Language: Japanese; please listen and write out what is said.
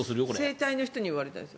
整体の人に言われたんです。